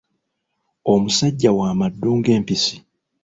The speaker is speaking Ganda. Omusajja wa maddu ng'empisi.